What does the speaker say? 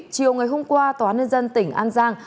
chiều ngày hôm qua tòa nhân dân tỉnh an giang